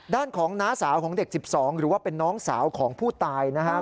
ด้านของน้าสาวของเด็ก๑๒หรือว่าเป็นน้องสาวของผู้ตายนะครับ